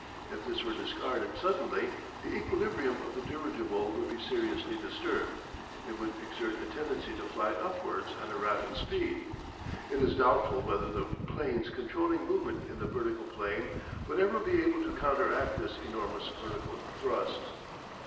If this were discarded suddenly the equilibrium of the dirigible would be seriously disturbed it would exert a tendency to fly upwards at a rapid speed. It is doubtful whether the planes controlling movement in the vertical plane would ever be able to counteract this enormous vertical thrust.